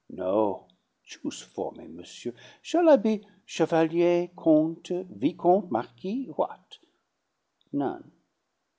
No! Choose for me, monsieur. Shall I be chevalier, comte, vicomte, marquis, what? None.